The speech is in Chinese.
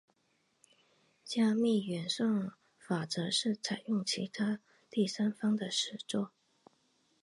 加密演算法则是采用了其他第三方的实作。